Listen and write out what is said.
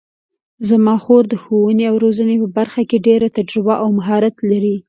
زما خور د ښوونې او روزنې په برخه کې ډېره تجربه او مهارت لري